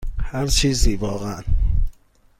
هر چیزی، واقعا.